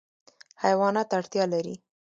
حیوانات اړتیا لري.